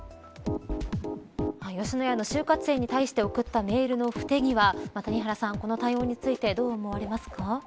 吉野家の就活生に対して送ったメールの不手際谷原さん、この対応についてどう思われますか。